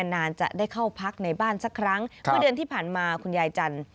นานจะได้เข้าพักในบ้านสักครั้งเมื่อเดือนที่ผ่านมาคุณยายจันทร์